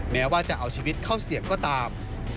แม้ว่าจะเอาชีวิตเข้าเสี่ยงก็ตาม